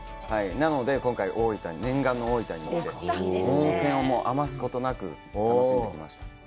なので今回、念願の大分に、温泉を余すことなく楽しんできました。